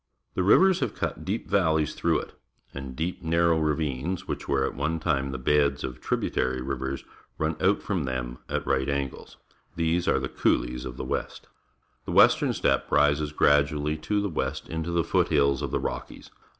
The rivers have cut deep valleys through it, and deep, narrow ra\ ines, wlaich were at one time the beds of tributary rivers, run out from them at right angles. These are the coulees of the West. The western steppe rises gradually to the west into the foot hills of the Rockies.